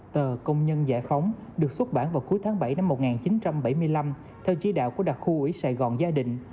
tờ công nhân giải phóng được xuất bản vào cuối tháng bảy năm một nghìn chín trăm bảy mươi năm theo chỉ đạo của đặc khu ủy sài gòn gia đình